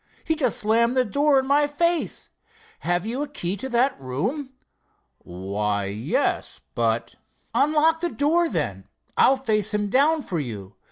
He just slammed the door in my face. Have you a key to that room?" "Why, yes, but——" "Unlock the door, then. I'll face him down for you.